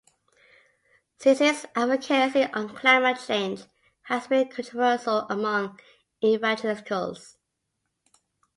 Cizik's advocacy on climate change has been controversial among evangelicals.